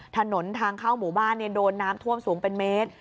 ถนนทางเข้าหมู่บ้านโดนน้ำท่วมสูงเป็นเมตร